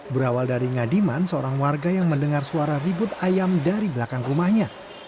berawal dari ngadiman seorang warga yang mendengar suara ribut ayam dari belakang rumahnya